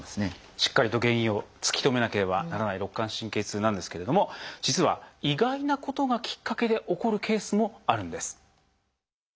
しっかりと原因を突き止めなければならない肋間神経痛なんですけれども実は意外なことがきっかけで起こるケースもあるんです。